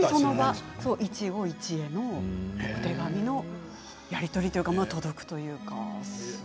一期一会の手紙のやり取りというか届くというか。